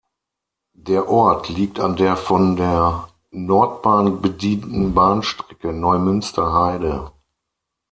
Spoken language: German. Der Ort liegt an der von der Nordbahn bedienten Bahnstrecke Neumünster–Heide.